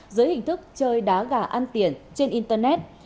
dưới hình thức chơi đá gà ăn tiền trên internet